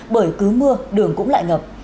bởi cứ mưa đường cũng lại ngập